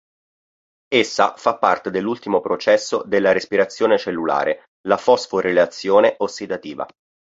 Essa fa parte dell'ultimo processo della respirazione cellulare, la fosforilazione ossidativa.